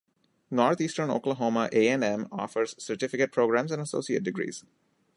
Northeastern Oklahoma A and M offers certificate programs and associate degrees.